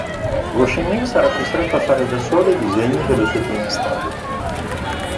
Goscinny sarà costretto a fare da solo i disegni delle sue prime storie.